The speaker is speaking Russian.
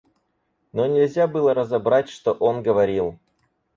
Но нельзя было разобрать, что он говорил.